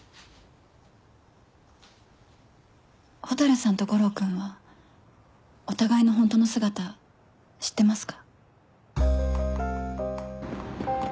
蛍さんと悟郎君はお互いのホントの姿知ってますか？